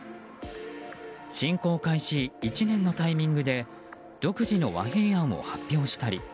侵攻開始１年のタイミングで独自の和平案を発表したり。